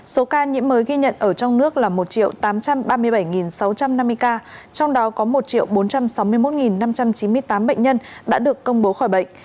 số ca nhiễm mới ghi nhận ở trong nước là một tám trăm ba mươi bảy sáu trăm năm mươi ca trong đó có một bốn trăm sáu mươi một năm trăm chín mươi tám bệnh nhân đã được công bố khỏi bệnh